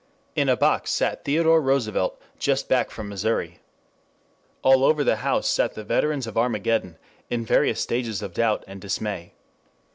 In a box sat Theodore Roosevelt just back from Missouri. All over the house sat the veterans of Armageddon in various stages of doubt and dismay.